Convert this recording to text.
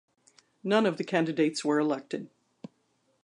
None of the candidates were elected.